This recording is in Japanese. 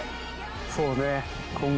そうね。